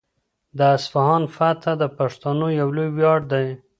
د اصفهان فتحه د پښتنو یو لوی ویاړ دی.